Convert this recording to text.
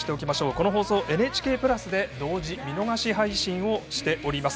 この放送、ＮＨＫプラスで同時・見逃し配信をしております。